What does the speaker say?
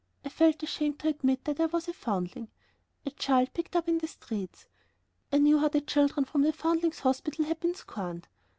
I felt ashamed to admit that I was a foundling, a child picked up in the streets! I knew how the children from the Foundlings' Hospital had been scorned.